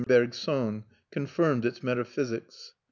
Bergson, confirmed its metaphysics.